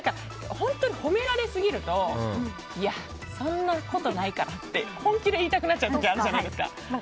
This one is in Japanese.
本当に褒められすぎるとそんなことないからって本気で言いたくなっちゃう時あるじゃないですか。